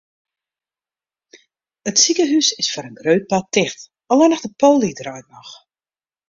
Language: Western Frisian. It sikehûs is foar in grut part ticht, allinnich de poly draait noch.